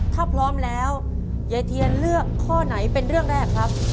ถ้าพร้อมแล้วยายเทียนเลือกข้อไหนเป็นเรื่องแรกครับ